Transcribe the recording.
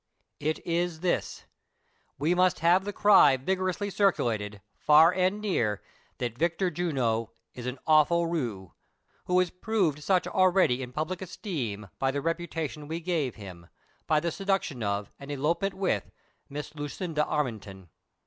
It is this : We must have the cry vigorously circulated, far and near, that Vic tor Juno is an awful roui, who is proved such already in public esteem, by the reputation we gave hini — by the seduction of, and elopement with, Miss Lucinda Arm ington.